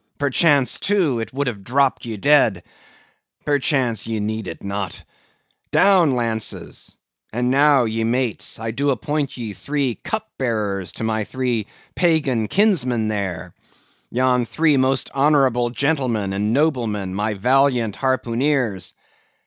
Perchance, too, it would have dropped ye dead. Perchance ye need it not. Down lances! And now, ye mates, I do appoint ye three cupbearers to my three pagan kinsmen there—yon three most honorable gentlemen and noblemen, my valiant harpooneers.